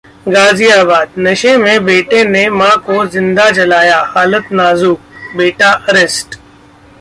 गाजियाबादः नशे में बेटे ने मां को जिंदा जलाया, हालत नाजुक, बेटा अरेस्ट